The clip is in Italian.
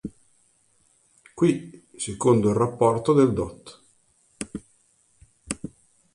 Qui, secondo il “Rapporto" del dott.